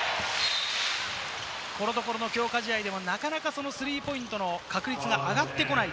このところの強化試合でもなかなかスリーポイントの確率が上がってこない。